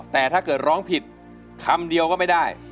แต่ถ้าเกิดร้องผิดคำเดียวก็ไม่ได้